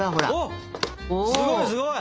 おおすごいすごい！